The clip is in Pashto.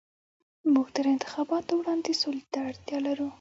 موږ تر انتخاباتو وړاندې سولې ته اړتيا لرو.